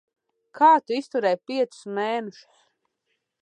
Kā tu izturēji piecus mēnešus?